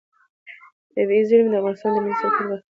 طبیعي زیرمې د افغانستان د انرژۍ سکتور برخه ده.